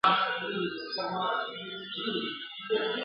څو ساعته به په غار کي پټ وو غلی ..